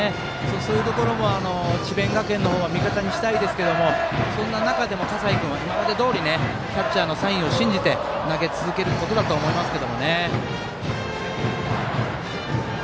そういうところも智弁学園の方は味方にしたいですけれどもそんな中でも葛西くんはキャッチャーのサインを信じて投げ続けることだと思いますが。